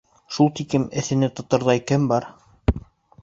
— Шул тиклем эҫене тоторҙай кем бар?